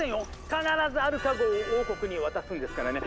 必ずアルカ号を王国に渡すんですからね。